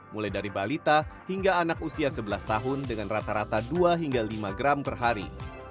mulai dari balita hingga anak usia sebelas tahun dengan rata rata dua hingga lima gram per hari